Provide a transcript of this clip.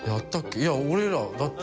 いや俺らだって。